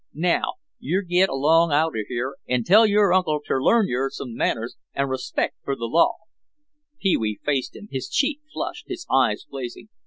Naow yer git along aouter here n' tell yer uncle ter learn yer some manners n' re spect fer th' law." Pee wee faced him, his cheek flushed, his eyes blazing.